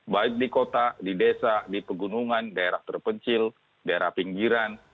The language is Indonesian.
baik di kota di desa di pegunungan daerah terpencil daerah pinggiran